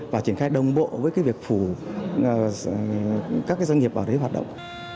và triển khai đồng bộ với cái việc phủ các cái doanh nghiệp ở đấy hoạt động